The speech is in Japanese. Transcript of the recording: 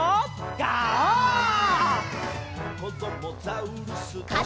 「こどもザウルス